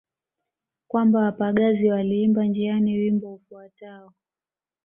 Kwamba wapagazi waliimba njiani wimbo ufuatao